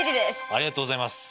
ありがとうございます。